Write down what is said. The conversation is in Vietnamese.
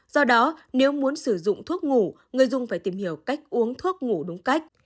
do đó nếu muốn sử dụng thuốc ngủ người dùng phải tìm hiểu cách uống thuốc ngủ đúng cách